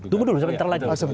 tunggu dulu sebentar lagi